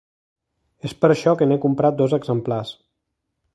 És per això que n'he comprat dos exemplars.